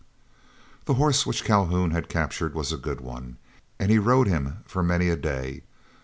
The horse which Calhoun had captured was a good one, and he rode him for many a day.